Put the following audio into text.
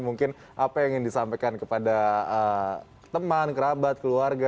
mungkin apa yang ingin disampaikan kepada teman kerabat keluarga